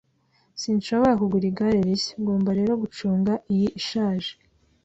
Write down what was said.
Sinshobora kugura igare rishya, ngomba rero gucunga iyi ishaje.